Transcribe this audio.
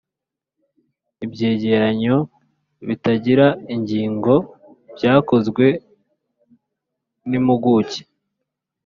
Ibyegeranyo bitagira ingano byakozwe n'impuguke